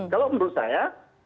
kalau menurut saya